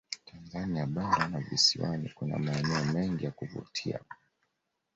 tanzania bara na visiwani kuna maeneo mengi ya kuvutia